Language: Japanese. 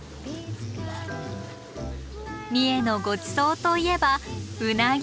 三重のごちそうといえばうなぎ。